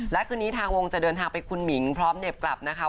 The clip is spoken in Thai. และคืนนี้ทางวงจะเดินทางไปคุณหมิงพร้อมเหน็บกลับนะคะ